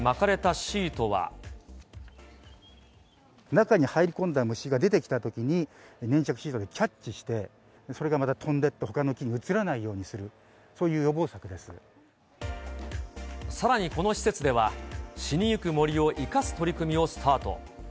中に入り込んだ虫が出てきたときに、粘着シートでキャッチして、それがまた飛んでいってほかの木に移らないようにする、そういうさらにこの施設では、死にゆく森を生かす取り組みをスタート。